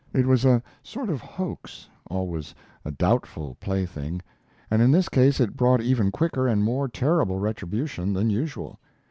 It was a sort of hoax always a doubtful plaything and in this case it brought even quicker and more terrible retribution than usual.